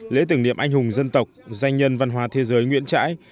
lễ tưởng niệm anh hùng dân tộc danh nhân văn hóa thế giới nguyễn trãi